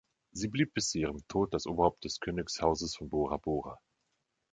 Sie blieb bis zu ihrem Tod das Oberhaupt des Königshauses von Bora Bora.